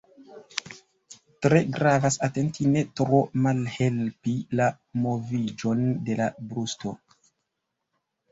Tre gravas atenti ne tro malhelpi la moviĝon de la brusto.